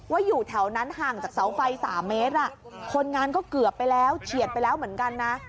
อยู่แถวนั้นห่างจากเสาไฟ๓เมตรคนงานก็เกือบไปแล้วเฉียดไปแล้วเหมือนกันนะ